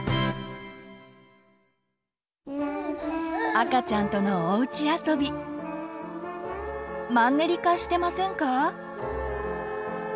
赤ちゃんとのおうちあそびマンネリ化してませんか？